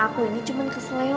aku ini cuman kesel